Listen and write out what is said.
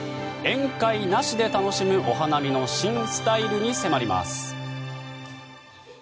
宴会なしで楽しむお花見の新スタイルに迫ります。